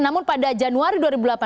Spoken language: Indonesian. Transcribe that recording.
namun pada januari dua ribu delapan belas